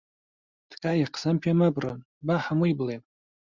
تکایە قسەم پێ مەبڕن، با هەمووی بڵێم.